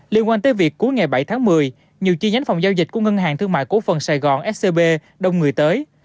liên quan tới việc cuối ngày bảy tháng một mươi nhiều chi nhánh phòng giao dịch của ngân hàng thương mại cổ phần sài gòn scb đông người tới